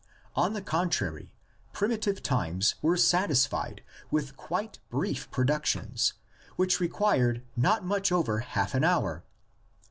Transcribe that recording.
On the con trary, primitive times were satisfied with quite brief productions which required not much over half an hour.